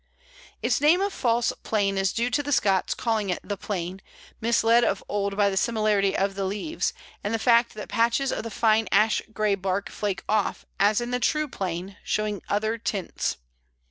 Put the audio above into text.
] Its name of False Plane is due to the Scots calling it the Plane, misled of old by the similarity of the leaves, and the fact that patches of the fine ash grey bark flake off, as in the true Plane, showing other tints.